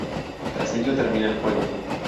Tras ello, termina el juego.